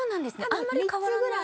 あんまり変わらない。